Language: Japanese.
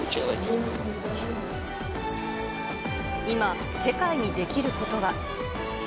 今、世界にできることは。